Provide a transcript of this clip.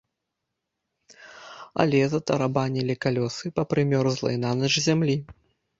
Але затарабанілі калёсы па прымёрзлай нанач зямлі.